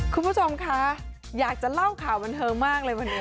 คุณผู้ชมคะอยากจะเล่าข่าวบันเทิงมากเลยวันนี้